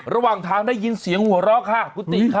ระหว่างทางได้ยินเสียงหัวเราะค่ะคุณติค่ะ